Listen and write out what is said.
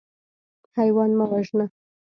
حیوان مه وژنه.